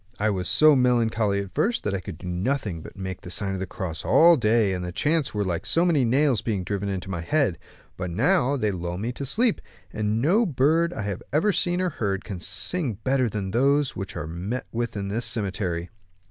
I was so melancholy at first that I could do nothing but make the sign of the cross all day, and the chants were like so many nails being driven into my head; but now, they lull me to sleep, and no bird I have ever seen or heard can sing better than those which are to be met with in this cemetery."